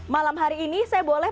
malam hari ini saya boleh